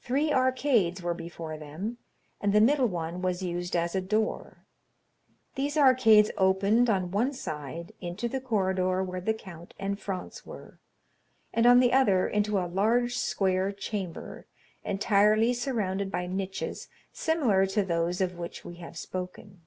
Three arcades were before them, and the middle one was used as a door. These arcades opened on one side into the corridor where the count and Franz were, and on the other into a large square chamber, entirely surrounded by niches similar to those of which we have spoken.